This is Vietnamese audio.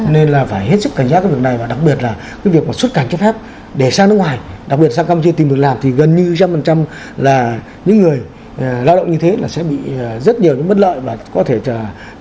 nên là phải hết sức cảnh giác cái việc này và đặc biệt là cái việc mà xuất cảnh chấp pháp để sang nước ngoài đặc biệt là sang campuchia tìm được làm thì gần như một trăm linh là những người lao động như thế là sẽ bị rất nhiều cái bất lợi và có thể như những cái việc mà chúng ta đã làm